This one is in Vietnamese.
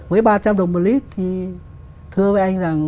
với ba trăm linh đồng một lít thì thưa với anh rằng